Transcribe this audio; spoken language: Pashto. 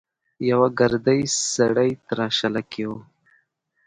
يوه ګردي سړی تراشله کې و.